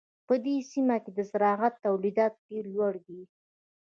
په دې سیمه کې د زراعت تولیدات ډېر لوړ دي.